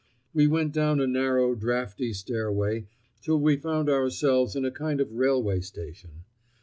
We went down a narrow, draughty stairway till we found ourselves in a kind of railway station.